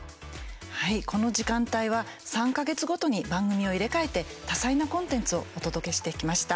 はい、この時間帯は３か月ごとに番組を入れ替えて多彩なコンテンツをお届けしてきました。